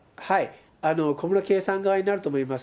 小室圭さん側になると思います。